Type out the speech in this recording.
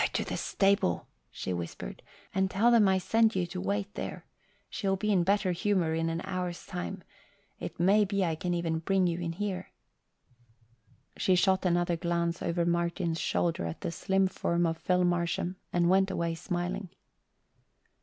"Go to the stable," she whispered, "and tell them I sent you to wait there. She'll be in better humour in an hour's time. It may be I can even bring you in here." She shot another glance over Martin's shoulder at the slim form of Phil Marsham and went away smiling.